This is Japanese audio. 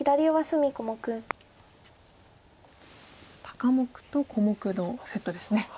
高目と小目のセットですね。